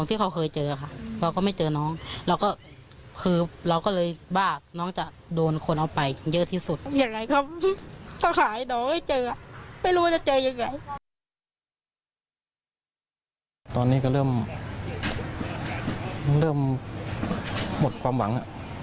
ตอนนี้ก็เริ่มหมดความหวัง